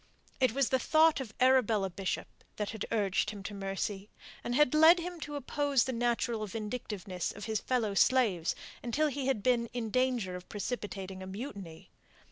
It was the thought of Arabella Bishop that had urged him to mercy, and had led him to oppose the natural vindictiveness of his fellow slaves until he had been in danger of precipitating a mutiny.